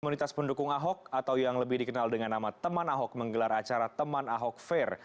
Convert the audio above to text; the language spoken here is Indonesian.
komunitas pendukung ahok atau yang lebih dikenal dengan nama teman ahok menggelar acara teman ahok fair